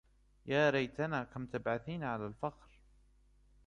يا رايتنا، كم تبعثين على الفخر